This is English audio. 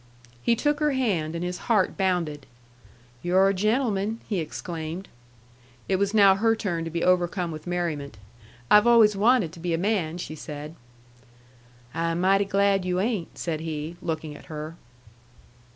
He took her hand, and his heart bounded. "You're a gentleman!" he exclaimed. It was now her turn to be overcome with merriment. "I've always wanted to be a man," she said. "I am mighty glad you ain't," said he, looking at her.